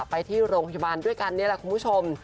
ไปที่โรงพยาบาลด้วยกันนี่แหละคุณผู้ชม